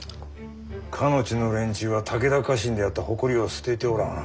かの地の連中は武田家臣であった誇りを捨てておらん。